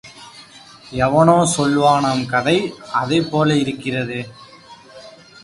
எவனோ சொல்வானாம் கதை அதைப் போல இருக்கிறதே!